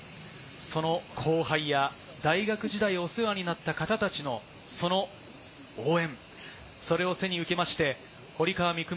その後輩や大学時代にお世話になった方たちの応援、それを背に受けて、堀川未来